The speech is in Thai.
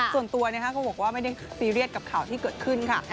ส่วนตัวก็บอกว่าไม่ได้ซีเรียสกับข่าวที่เกิดขึ้นค่ะ